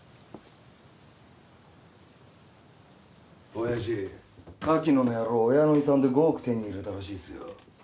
おやじ柿野の野郎親の遺産で５億手に入れたらしいっすよ。